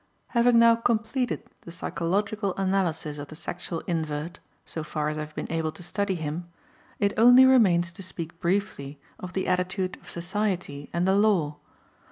Having now completed the psychological analysis of the sexual invert, so far as I have been able to study him, it only remains to speak briefly of the attitude of society and the law.